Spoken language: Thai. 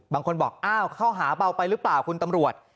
บางคนบอกอ้าวข้อหาเบาไปหรือเปล่าคุณตำรวจ